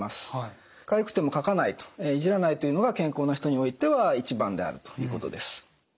かゆくてもかかないいじらないというのが健康な人においては一番であるということです。